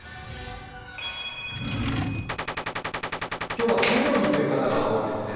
今日は給料日という方が多いですね。